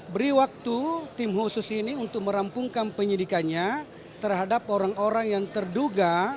beri waktu tim khusus ini untuk merampungkan penyidikannya terhadap orang orang yang terduga